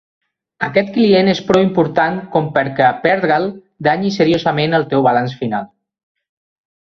Aquest client és prou important com perquè perdre'l danyi seriosament el teu balanç final.